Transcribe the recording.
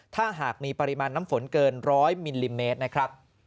ถ้าหากมีปริมาณน้ำฝนเกิน๑๐๐มิลลิเมตรนะครับ